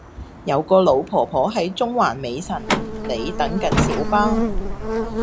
有個老婆婆喺中環美臣里等緊小巴